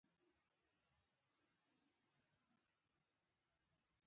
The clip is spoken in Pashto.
دوی غواړي دا ځای له مسلمانانو ونیسي.